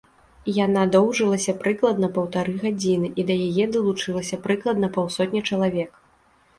Яна доўжылася прыкладна паўтары гадзіны і да яе далучылася прыкладна паўсотні чалавек.